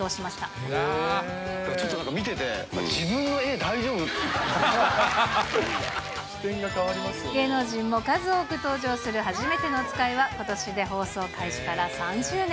これちょっと見てて、自分の芸能人も数多く登場するはじめてのおつかいは、ことしで放送開始から３０年。